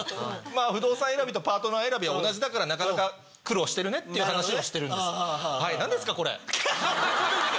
不動産選びとパートナー選びは同じだからなかなか苦労してるねっていう話をしてるんです。